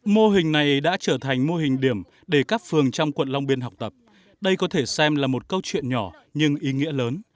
mô hình này đã trở thành mô hình điểm để các phường trong quận long biên học tập đây có thể xem là một câu chuyện nhỏ nhưng ý nghĩa lớn